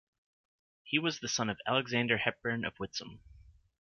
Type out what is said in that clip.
He was the son of Alexander Hepburn of Whitsome.